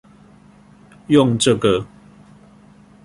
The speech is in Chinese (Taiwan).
用這個